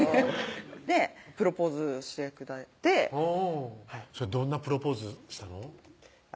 プロポーズしてくれてどんなプロポーズしたの？